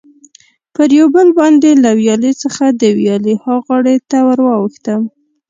پر یو پل باندې له ویالې څخه د ویالې ها غاړې ته ور واوښتم.